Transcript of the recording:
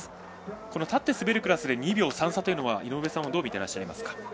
立って滑るクラスで２秒３差というのは井上さんどう見ていらっしゃいますか。